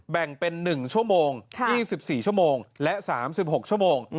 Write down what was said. แบ่งเป็น๑ชั่วโมง๒๔ชั่วโมงและ๓๖ชั่วโมง